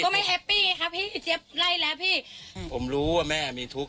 ไม่แฮปปี้ไงครับพี่เจี๊ยบไล่แล้วพี่อืมผมรู้ว่าแม่มีทุกข์